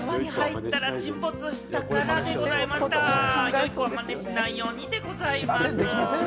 良い子はまねしないようにということでございます。